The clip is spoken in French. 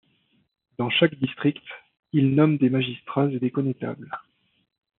Dans chaque district, il nomme des magistrats et des connétables.